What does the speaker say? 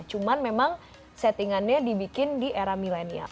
cuman memang settingannya dibikin di era milenial